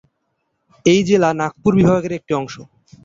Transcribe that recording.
এই জেলা নাগপুর বিভাগের একটি অংশ।